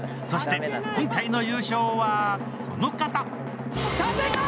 そして、今回の優勝はこの方。